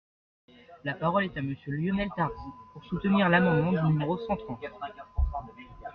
La parole est à Monsieur Lionel Tardy, pour soutenir l’amendement numéro cent trente.